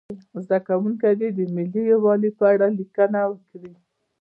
زده کوونکي دې د ملي یووالي په اړه لیکنه وکړي.